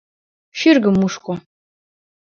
Шӱргым мушко.